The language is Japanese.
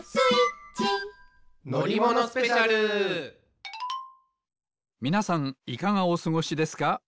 いかがおすごしですか？